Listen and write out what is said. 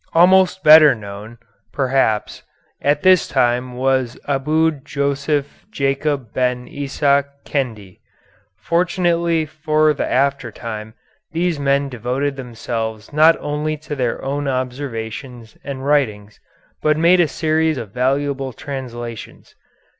Almost better known, perhaps, at this time was Abu Joseph Jacob Ben Isaac Kendi. Fortunately for the after time, these men devoted themselves not only to their own observations and writings but made a series of valuable translations.